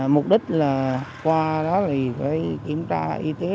mục đích là qua đó thì phải kiểm tra y tế